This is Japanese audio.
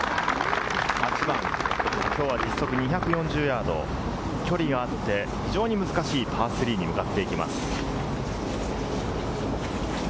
８番きょうは実測２４０ヤード、距離があって、非常に難しいパー３に向かっていきます。